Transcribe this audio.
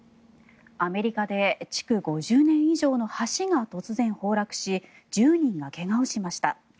アメリカで築５０年以上の橋が突然、崩落し１０人が怪我をしました。